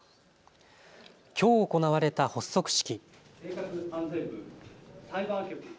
きょう行われた発足式。